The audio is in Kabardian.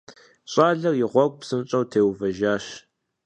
ЩӀалэр и гъуэгу псынщӀэу теувэжащ.